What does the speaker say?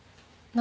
何？